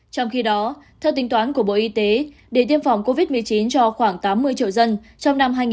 trong khi đó theo tính toán của bộ y tế để tiêm phòng covid một mươi chín cho khoảng tám mươi triệu dân